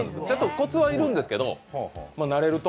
コツはいるんですけど慣れると。